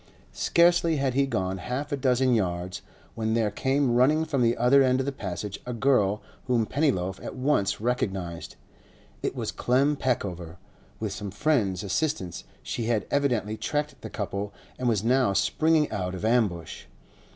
Scarcely had he gone half a dozen yards, when there came running from the other end of the Passage a girl whom Pennyloaf at once recognised. It was Clem Peckover; with some friend's assistance she had evidently tracked the couple and was now springing out of ambush.